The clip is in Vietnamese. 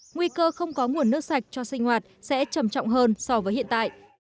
nguy cơ không có nguồn nước sạch cho sinh hoạt sẽ trầm trọng hơn so với hiện tại